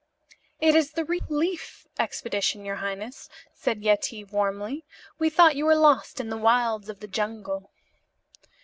"It is the relief expedition, your highness," said Yetive warmly. "We thought you were lost in the wilds of the jungle."